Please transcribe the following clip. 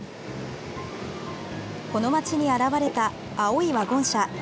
この町に現れた青いワゴン車。